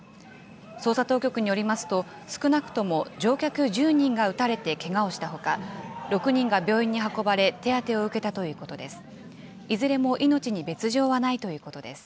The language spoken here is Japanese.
捜査当局によりますと、少なくとも乗客１０人が撃たれてけがをしたほか、６人が病院に運ばれ、手当てを受けたということです。